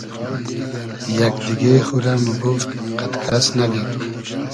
یئگ دیگې خورۂ موگوفت قئد کئس نئگید